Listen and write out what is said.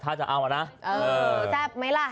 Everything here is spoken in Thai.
แซ่บไหมล่ะฮ่าแซ่บไหมล่ะ